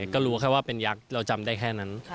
ก็รู้แค่ว่าเป็นยักษ์เราจำได้แค่นั้น